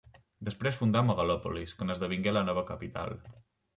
Després fundà Megalòpolis, que n'esdevingué la nova capital.